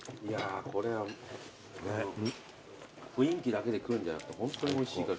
これは雰囲気だけで来るんじゃなくてホントにおいしいから。